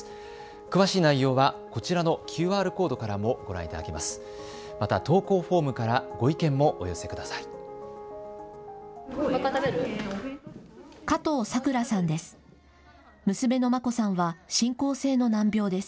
詳しい内容はこちらのＱＲコードからもご覧いただけます。